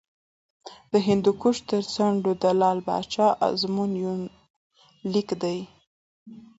د هندوکش تر څنډو د لعل پاچا ازمون یونلیک دی